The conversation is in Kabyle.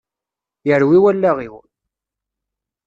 Yerwi wallaɣ-iw!